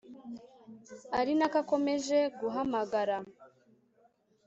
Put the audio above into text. ari nako akomeje guhamagara